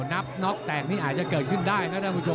นับน็อกแตกนี่อาจจะเกิดขึ้นได้นะท่านผู้ชม